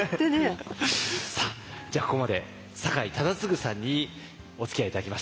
じゃあここまで酒井忠次さんにおつきあい頂きました。